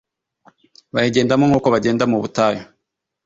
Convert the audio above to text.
bayigendamo nk’uko bagenda mu butayu